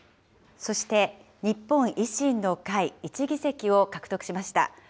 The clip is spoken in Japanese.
そして、日本維新の会、１議席を獲得しました。